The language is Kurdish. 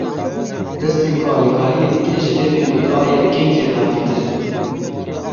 Destên ku alîkariyê dikin, ji lêvên ku diayê dikin kêrhatîtir in.